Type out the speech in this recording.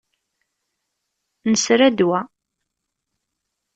Nesra ddwa.